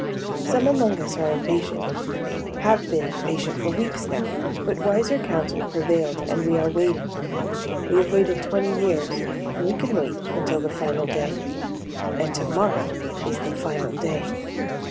Some among us are impatient, have been impatient for weeks now, but wiser counsel prevailed and we are waiting. We have waited twenty years and we can wait until the final day. And tomorrow is the final day.